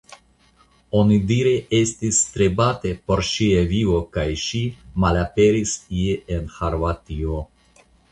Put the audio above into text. Onidire estis strebate por ŝia vivo kaj ŝi malaperis ie en Ĥarvatio.